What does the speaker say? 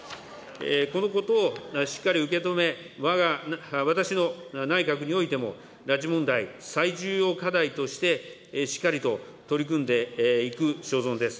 このことをしっかり受け止め、私の内閣においても拉致問題、最重要課題としてしっかりと取り組んでいく所存です。